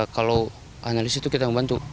kalau analisis itu kita membantu